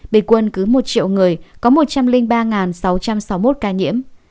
bình quân cứ một triệu người có một trăm linh ba sáu trăm sáu mươi một ca nhiễm